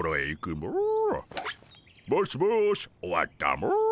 もしもし終わったモ。